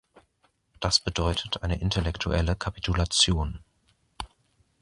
Das bedeutet eine intellektuelle Kapitulation.